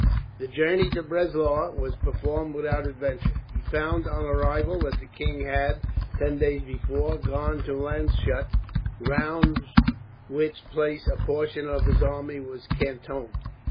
The journey to Breslau was performed without adventure. He found on arrival that the king had, ten days before, gone to Landshut, round which place a portion of his army was cantoned.